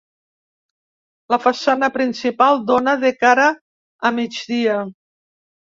La façana principal dóna de cara a migdia.